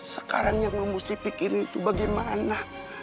sekarang yang mesti pikirin itu bagaimana